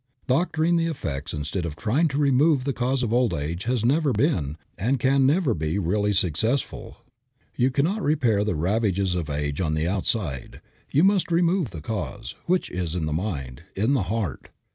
Doctoring the effects instead of trying to remove the cause of old age never has been, and never can be, really successful. You cannot repair the ravages of age on the outside. You must remove the cause, which is in the mind, in the heart.